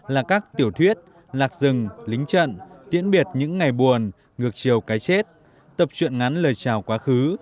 là các tiểu thuyết lạc rừng lính trận tiễn biệt những ngày buồn ngược chiều cái chết tập truyện ngắn lời chào quá khứ